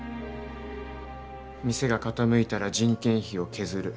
店が傾いたら人件費を削る。